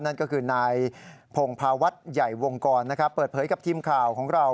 นั่นก็คือนายพงภาวัฒน์ใหญ่วงกรนะครับเปิดเผยกับทีมข่าวของเรา